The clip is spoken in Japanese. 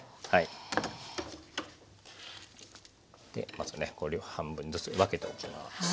まずねこれを半分ずつに分けておきます。